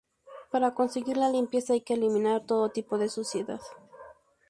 Para conseguir la "limpieza" hay que eliminar todo tipo de suciedad.